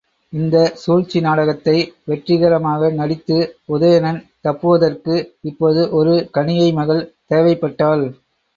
இந்தச் சூழ்ச்சி நாடகத்தை வெற்றிகரமாக நடித்து, உதயணன் தப்புவதற்கு இப்போது ஒரு கணிகை மகள் தேவைப்பட்டாள்.